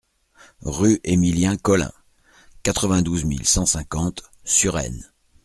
Rue Emilien Colin, quatre-vingt-douze mille cent cinquante Suresnes